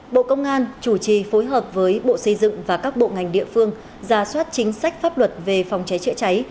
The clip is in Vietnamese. bộ công an chủ trì phối hợp với bộ xây dựng và các bộ ngành địa phương ra soát chính sách pháp luật về phòng cháy chữa cháy